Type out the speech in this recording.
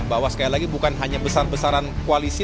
bahwa sekali lagi bukan hanya besar besaran koalisi